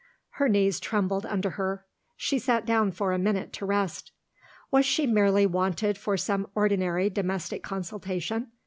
Her knees trembled under her. She sat down for a minute to rest. Was she merely wanted for some ordinary domestic consultation?